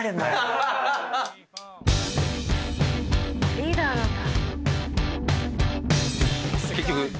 リーダーなんだ。